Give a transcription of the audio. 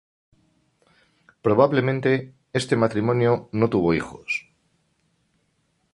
Probablemente, este matrimonio no tuvo hijos.